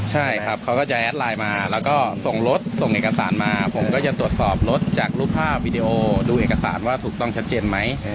ใช่ครับเขาก็จะแอดไลน์มาแล้วก็ส่งรถส่งเอกสารมาผมก็จะตรวจสอบรถจากรูปภาพวิดีโอดูเอกสารว่าถูกต้องชัดเจนไหม